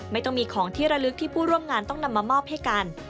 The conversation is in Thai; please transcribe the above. ไม่ต้องมีของที่ระลึกที่ผู้ร่วมงานต้องนำมามอบให้กัน